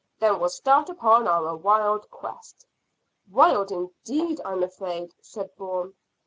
Then we'll start upon our wild quest." "Wild indeed, I'm afraid," said Bourne.